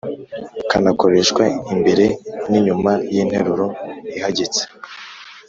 kanakoreshwa imbere n‟inyuma y‟interuro ihagitse.